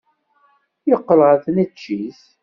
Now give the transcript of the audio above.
Yeqqel ɣer tneččit.